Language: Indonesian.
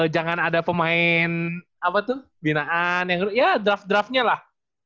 jangan ada pemain binaan yang ya draft draftnya lah